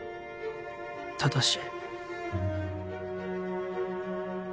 ただし。